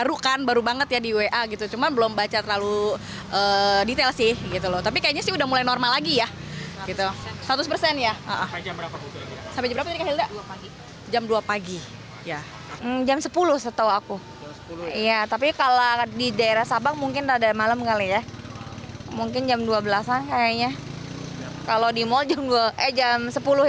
mungkin jam dua belas an kayaknya kalau di mal jam sepuluh ya aku tahu jam sebelas